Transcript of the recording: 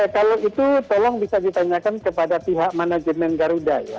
kalau itu tolong bisa ditanyakan kepada pihak manajemen garuda ya